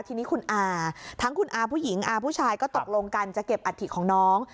ทีนี้คุณอาทั้งคุณอาผู้หญิงอาผู้ชายก็ตกลงกันจะเก็บอัฐิของน้อง